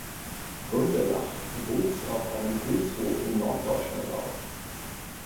Gundelach wuchs auf einem Gutshof in Norddeutschland auf.